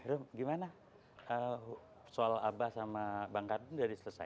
itu gimana kalau soal abah sama bang katun dari selesain